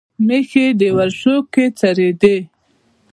مېښې دې ورشو کښې څرېدې